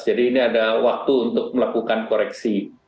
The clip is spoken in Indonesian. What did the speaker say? jadi ini ada waktu untuk melakukan koreksi